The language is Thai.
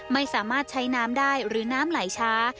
ไม่สามารถใช้น้ำได้หรือน้ำไหลช้า